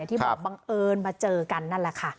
ที่บอกบังเอิญมาเจอกันนั่นแหละค่ะ